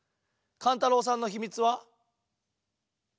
かんたろうさんのひみつは？